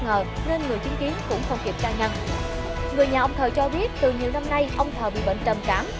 ông thờ cho biết từ nhiều năm nay ông thờ bị bệnh trầm cảm